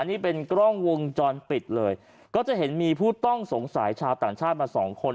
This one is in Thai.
นี่เป็นกล้องวงจรปิดเลยก็จะเห็นมีผู้ต้องสงสัยชาวต่างชาติมาสองคน